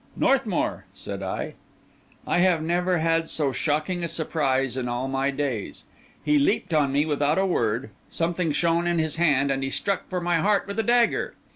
"Northmour!" said I. I have never had so shocking a surprise in all my days. He leaped on me without a word; something shone in his hand; and he struck for my heart with a dagger.